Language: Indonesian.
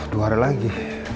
dua hari lagi